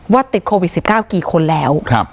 ติดโควิด๑๙กี่คนแล้ว